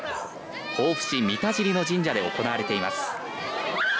防府市三田尻の神社で行われています。